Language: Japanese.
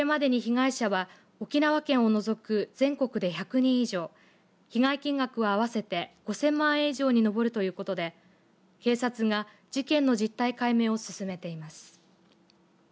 これまでに被害者は沖縄県を除く全国で１００人以上被害金額は合わせて５０００万円以上に上るということで警察が事件の実態解明を進めています。